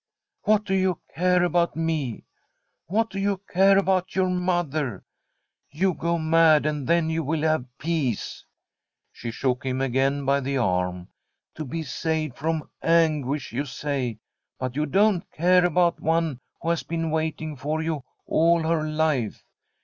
' What do you care about me ? What do you care about your mother ? You go mad, and Uien you will have peace.' She shook him again by the arm. ' To be saved from anguish, you say, but you don't care about one who has been wait ing for you all her life.